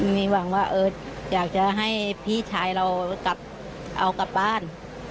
มีหวังว่าอยากจะให้พี่ชายเรากลับเอากลับบ้าน